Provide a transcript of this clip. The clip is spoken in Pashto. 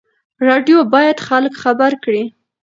راډیو باید خلک خبر کړي.